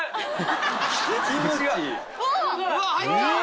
うわ入った！